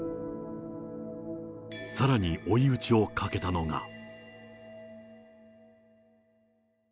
さらに追い打ちをかけたのが。